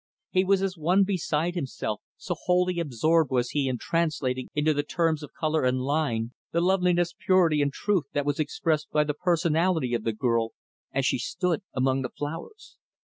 He was as one beside himself, so wholly absorbed was he in translating into the terms of color and line, the loveliness purity and truth that was expressed by the personality of the girl as she stood among the flowers.